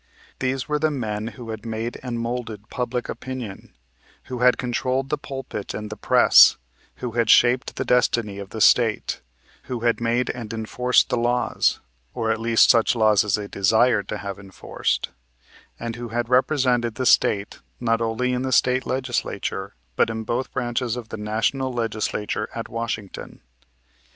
These were the men who had made and molded public opinion, who had controlled the pulpit and the press, who had shaped the destiny of the State; who had made and enforced the laws, or at least such laws as they desired to have enforced, and who had represented the State not only in the State Legislature but in both branches of the National Legislature at Washington.